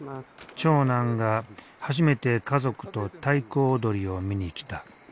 長男が初めて家族と太鼓踊りを見に来た。